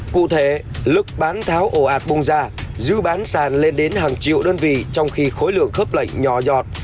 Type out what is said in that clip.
cụ thể lực bán tháo ổ ạt bùng ra dù bán sàn lên đến hàng triệu đơn vị trong khi khối lượng khớp lệnh nhỏ giọt